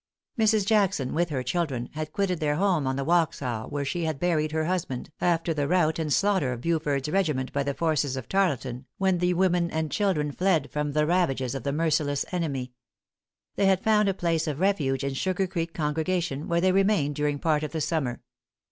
Mrs. Jackson, with her children, had quitted their home on the Waxhaw, where she had buried her husband, after the rout and slaughter of Buford's regiment by the forces of Tarleton, when the women and children fled from the ravages of the merciless enemy. They had found a place of refuge in Sugar Creek congregation, where they remained during part of the summer.